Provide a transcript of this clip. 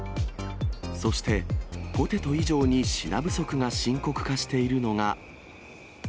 そして、ポテト以上に品不足が深刻化しているのが。